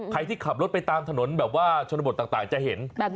ที่ขับรถไปตามถนนแบบว่าชนบทต่างจะเห็น